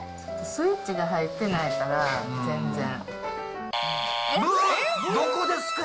スイッチが入ってないから、どこですか。